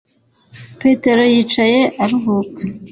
petero yicaye aruhuka;